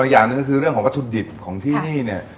อีกอย่างหนึ่งคือเรื่องของกระทุดดิบของที่นี่